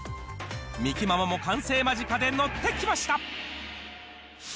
みきママも完成間近で乗ってきました。